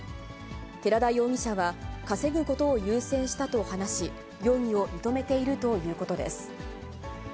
寺田容疑者は、稼ぐことを優先したと話し、容疑を認めているということです。